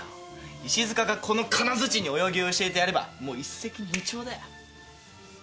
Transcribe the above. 石塚がこの金づちに泳ぎを教えてやればもう一石二鳥だよ。